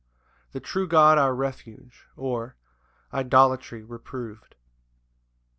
The true God our refuge; or, Idolatry reproved.